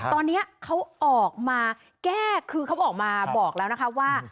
ตอนนี้เขาออกมาแก้คือเขาออกมาบอกแล้วนะคะว่า